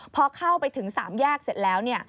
พอเข้าไปถึง๓แยกเสร็จแล้ว